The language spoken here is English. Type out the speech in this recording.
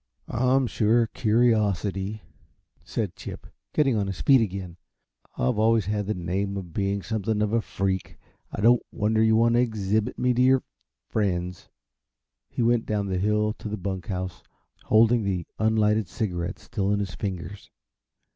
"I'm sure a curiosity," said Chip, getting on his feet again. "I've always had the name of being something of a freak I don't wonder you want to exhibit me to your friends." He went down the hill to the bunk house, holding the unlighted cigarette still in his fingers.